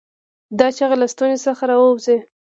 دا چیغه له ستونې څخه راووځي.